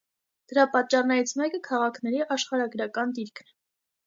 Դրա պատճառներից մեկը քաղաքների աշխարհագրական դիրքն է։